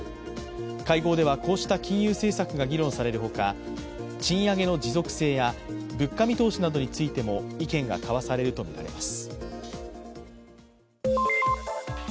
会合では、こうした金融政策が議論されるほか賃上げの持続性や物価見通しなどについても意見が交わされるとみられます。